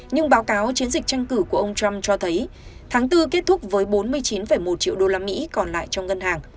nhưng báo cáo chiến dịch tranh cử của ông trump cho thấy tháng bốn kết thúc với bốn mươi chín một triệu đô la mỹ còn lại trong ngân hàng